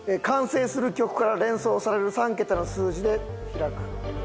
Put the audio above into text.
「完成する曲から連想される３ケタの数字で開く」